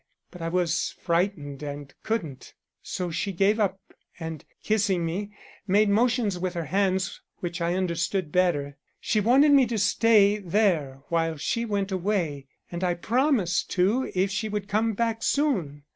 But I was frightened and couldn't. So she gave up and, kissing me, made motions with her hands which I understood better; she wanted me to stay there while she went away, and I promised to if she would come back soon.